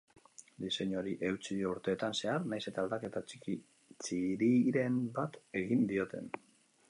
Diseinuari eutsi dio urteetan zehar, nahiz eta aldaketa txiriren bat egin dioten.